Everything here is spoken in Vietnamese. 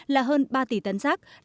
là hơn ba tỷ tấn rác